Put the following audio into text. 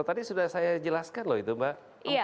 tadi sudah saya jelaskan loh itu mbak